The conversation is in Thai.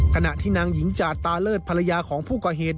ขณะที่นางหญิงจาตาเลิศภรรยาของผู้ก่อเหตุ